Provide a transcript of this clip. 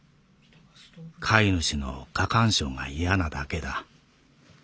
飼い主の過干渉が嫌なだけだ。